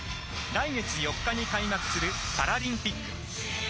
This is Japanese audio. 来月、４日に開幕するパラリンピック。